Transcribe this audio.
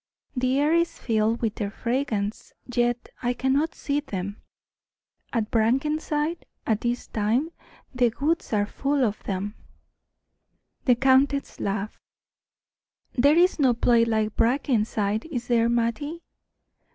The air is filled with their fragrance, yet I cannot see them. At Brackenside, at this time, the woods are full of them." The countess laughed. "There is no place like Brackenside, is there, Mattie?"